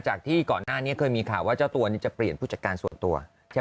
จากที่ก่อนหน้านี้เคยมีข่าวว่าเจ้าตัวนี้จะเปลี่ยนผู้จัดการส่วนตัวใช่ไหม